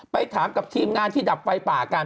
ถามกับทีมงานที่ดับไฟป่ากัน